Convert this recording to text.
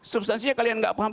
substansinya kalian tidak paham